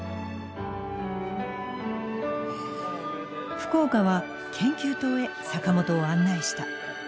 福岡は研究棟へ坂本を案内した。